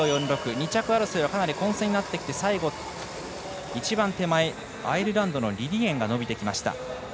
２着争いはかなり混戦になってきて最後アイルランドのニリエンが伸びてきました。